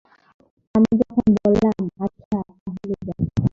আমি যখন বললাম, আচ্ছা তা হলে যাই?